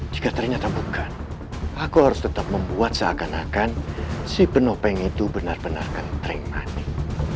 jika ternyata bukan aku harus tetap membuat seakan akan si penopeng itu benar benar akan tren panik